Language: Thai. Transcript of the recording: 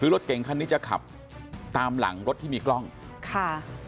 คือรถเก่งคันนี้จะขับตามหลังรถที่มีกล้องค่ะ